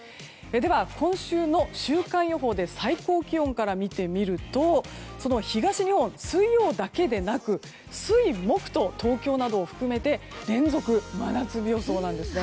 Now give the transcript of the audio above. では、今週の週間予報で最高気温から見てみるとその東日本、水曜だけでなく水、木と、東京などを含めて連続真夏日予想なんです。